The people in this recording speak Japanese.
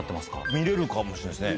「見れる」かもしれないですね。